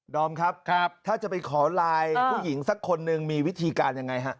อมครับถ้าจะไปขอไลน์ผู้หญิงสักคนหนึ่งมีวิธีการยังไงฮะ